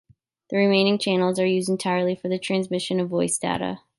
The remaining channels are used entirely for the transmission of voice data.